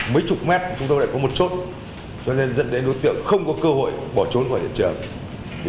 mấy chục mét chúng tôi lại có một chốt cho nên dẫn đến đối tượng không có cơ hội bỏ trốn khỏi hiện trường